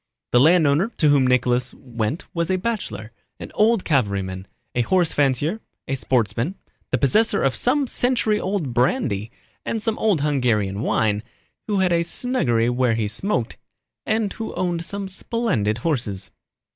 The landowner to whom Nicholas went was a bachelor, an old cavalryman, a horse fancier, a sportsman, the possessor of some century old brandy and some old Hungarian wine, who had a snuggery where he smoked, and who owned some splendid horses.